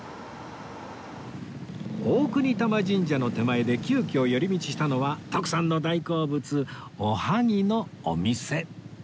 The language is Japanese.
大國魂神社の手前で急きょ寄り道したのは徳さんの大好物おはぎのお店